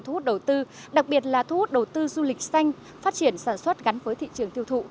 thu hút đầu tư đặc biệt là thu hút đầu tư du lịch xanh phát triển sản xuất gắn với thị trường tiêu thụ